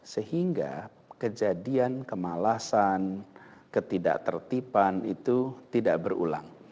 sehingga kejadian kemalasan ketidak tertipan itu tidak berulang